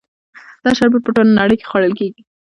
دا شربت په ټوله نړۍ کې خوړل کیږي.